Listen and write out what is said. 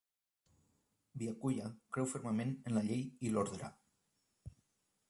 Byakuya creu fermament en la llei i l'ordre.